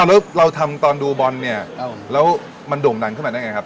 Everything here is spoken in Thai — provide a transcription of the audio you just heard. แล้วเราทำตอนดูบอลเนี่ยแล้วมันโด่งดังขึ้นมาได้ไงครับ